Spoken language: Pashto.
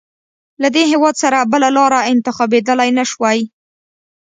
له دې هېواد سره بله لاره انتخابېدلای نه شوای.